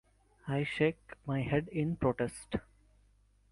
I shake my head in protest.